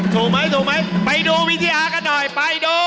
ถูกไหมถูกไหมไปดูวิทยากันหน่อยไปดู